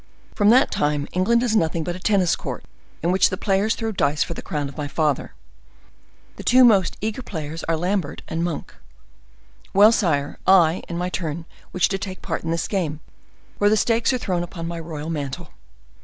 "From that time England is nothing but a tennis court, in which the players throw dice for the crown of my father. The two most eager players are Lambert and Monk. Well, sire, I, in my turn, wish to take part in this game, where the stakes are thrown upon my royal mantle.